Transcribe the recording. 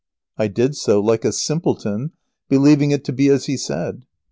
I did so, like a simpleton, believing it to be as he said.